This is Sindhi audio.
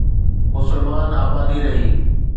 مسلمان آبادي رهي.